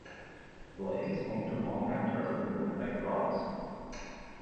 The Lake is also home to long neck turtles and motorbike frogs.